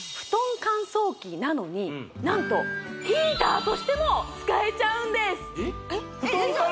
乾燥機なのに何とヒーターとしても使えちゃうんですふとん